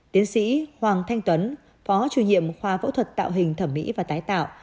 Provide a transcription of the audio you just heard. tiến sĩ hoàng thanh tuấn phó chủ nhiệm khoa phẫu thuật tạo hình thẩm mỹ và tái tạo